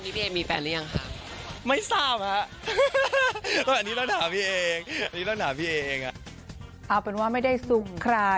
ตอนนี้พี่เอมีแฟนหรือยังค่ะ